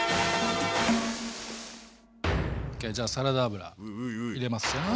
じゃあサラダ油入れますよ。